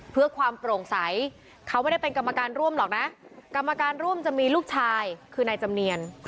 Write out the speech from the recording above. เพื่อความโปร่งใสเขาไม่ได้เป็นกรรมการร่วมหรอกนะกรรมการร่วมจะมีลูกชายคือนายจำเนียน